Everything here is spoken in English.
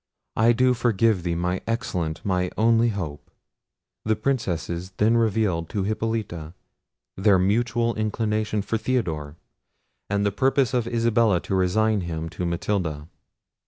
I do forgive thee, my excellent, my only hope!" The princesses then revealed to Hippolita their mutual inclination for Theodore, and the purpose of Isabella to resign him to Matilda.